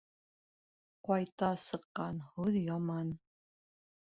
Ҡайта сыҡҡан һүҙ яман